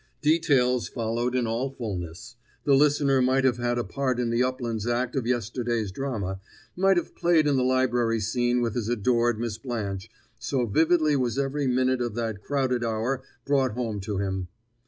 Details followed in all fulness; the listener might have had a part in the Uplands act of yesterday's drama, might have played in the library scene with his adored Miss Blanche, so vividly was every minute of that crowded hour brought home to him.